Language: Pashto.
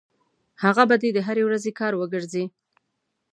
هغه به دې د هرې ورځې کار وګرځي.